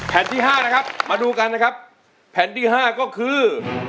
แผ่นที่๕นะครับมาดูกันนะครับแผ่นที่๕ก็คือ